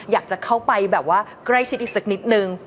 อยากจะเข้าไปแบบว่าใกล้ชิดอีกสักนิดนึง